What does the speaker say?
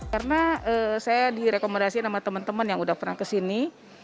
karena saya direkomendasi sama teman teman yang sudah pernah ke sini